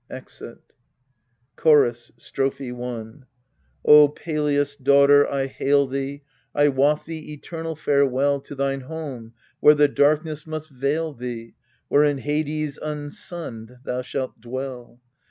[Exit. CHORUS. Strophe i O Pelias' daughter, I hail thee : I waft thee eternal farewell To thine home where the darkness must veil thee, Where in Hades unsunned thou shalt dwell.